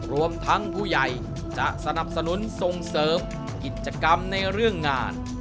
รวมทั้งผู้ใหญ่จะสนับสนุนส่งเสริมกิจกรรมในเรื่องงาน